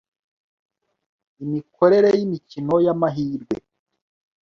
imikorere y’ imikino y’amahirwe